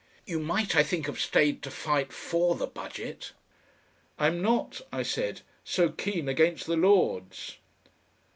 "You might, I think, have stayed to fight for the Budget." "I'm not," I said, "so keen against the Lords."